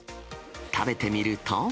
食べてみると。